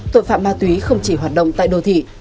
tội phạm ma túy không chỉ hoạt động tại đô thị